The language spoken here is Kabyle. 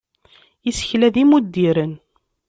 Isekla d imuddiren.